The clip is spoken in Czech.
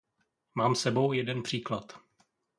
Mám s sebou jeden příklad.